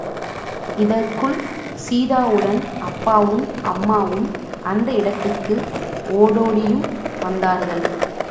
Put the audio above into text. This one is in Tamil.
இதற்குள், சீதாவுடன் அப்பாவும், அம்மாவும் அந்த இடத்துக்கு ஓடோடியும் வந்தார்கள்.